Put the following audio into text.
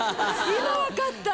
今分かった。